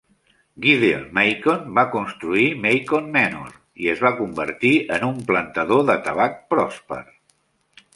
Gideon Macon va construir "Macon Manor" i es va convertir en un plantador de tabac pròsper.